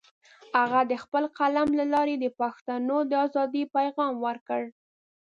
هغه د خپل قلم له لارې د پښتنو د ازادۍ پیغام ورکړ.